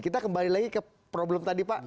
kita kembali lagi ke problem tadi pak